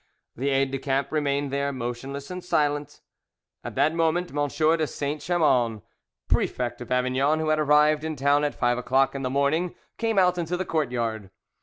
The aides de camp remained there motionless and silent. At that moment M. de Saint Chamans, prefect of Avignon, who had arrived in town at five o'clock in the morning, came out into the courtyard.